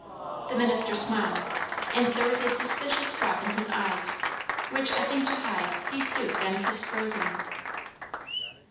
The minister smiled, and there was a suspicious drop in his eyes, which I think to hide, he stooped and kissed Rosy.